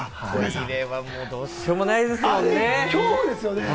トイレはどうしようもないで恐怖ですよね。